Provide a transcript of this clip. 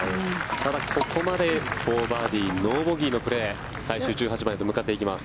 ここまで４バーディー、ノーボギーのプレー最終１８番へと向かっていきます。